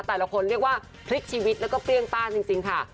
แต่ละคนเรียกว่าพลิกชีวิตแล้วก็เปรี้ยงต้านจริงค่ะ